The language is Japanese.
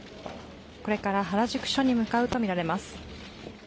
これから原宿署に向かうとみられます。